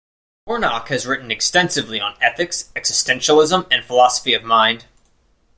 Warnock has written extensively on ethics, existentialism and philosophy of mind.